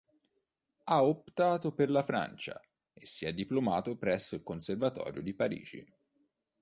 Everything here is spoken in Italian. Ha optato per la Francia, e si è diplomato presso il Conservatorio di Parigi.